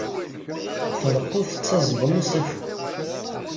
Treqqeḍ tettaẓeḍ am usafu.